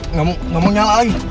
nggak mau nyala lagi